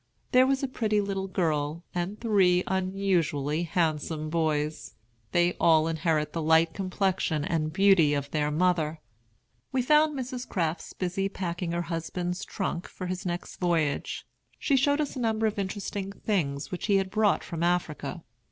There was a pretty little girl, and three unusually handsome boys. They all inherit the light complexion and beauty of their mother. We found Mrs. Crafts busy packing her husband's trunk for his next voyage. She showed us a number of interesting things which he had brought from Africa.